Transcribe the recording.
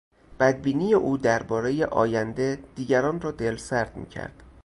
بدبینی او دربارهی آینده دیگران را دلسرد میکرد.